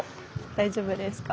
大丈夫ですか？